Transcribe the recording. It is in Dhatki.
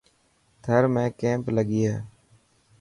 ٿر ۾ ڪيمپ لگي هي.